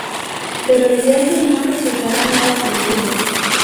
Pero el viaje no resultará nada tranquilo.